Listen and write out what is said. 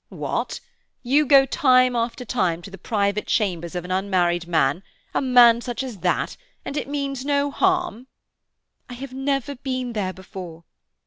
"What? You go time after time to the private chambers of an unmarried man—a man such as that—and it means no harm?" "I have never been there before."